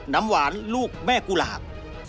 น้ำหวานลูกแม่กุหลาบ